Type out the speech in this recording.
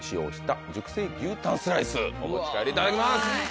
お持ち帰りいただきます。